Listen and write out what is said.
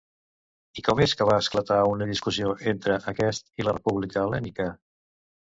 I com és que va esclatar una discussió entre aquest i la República Hel·lènica?